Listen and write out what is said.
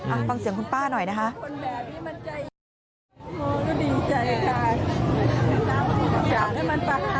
ฟังเสียงคุณป้าหน่อยนะคะ